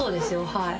はい。